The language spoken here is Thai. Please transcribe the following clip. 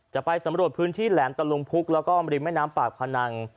จะไปสำรวจพื้นที่แหลมตะลุมพุกแล้วก็ริมแม่น้ำปากพนัง